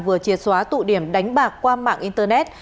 vừa triệt xóa tụ điểm đánh bạc qua mạng internet